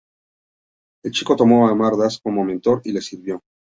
El chico tomó a Amar Das como mentor y le sirvió.